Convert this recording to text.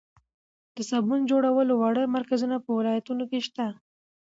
د صابون جوړولو واړه مرکزونه په ولایتونو کې شته.